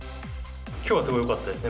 きょうはすごいよかったですね。